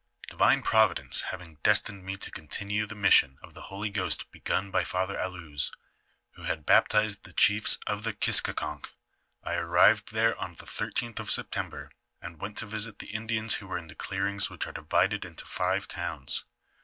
" Divine Providence having destined me to continue the mission of t^e Holy Ghost begun by Father Allouez, who had baptized the chiefs of the Kiskakonk, I arrived there on the thirteenth of September, and went to visit the Indians who were in the clearings which are divided into five towns.